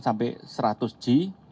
sampai seratus g